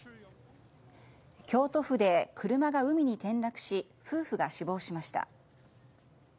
京都府で車が海に転落し夫婦が死亡しました。